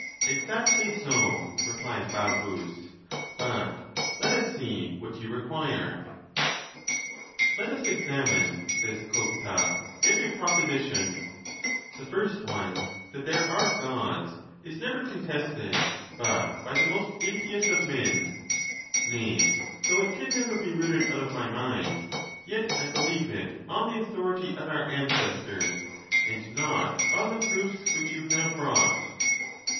Exactly so, replies Balbus ; but let us see what you require. Let us examine, says Cotta, every proposition. The first one — ^that there are Gods — is never contested but by the most impious of men ; nay, though it can never be rooted out of my mind, yet I believe it on the authority of our ancestors, and not on the proofs which you have brought.